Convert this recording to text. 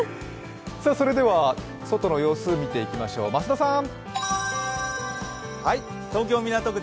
それでは外の様子見ていきましょう、増田さん。